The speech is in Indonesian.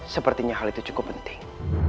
sepertinya hal itu cukup penting